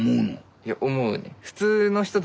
いや思う。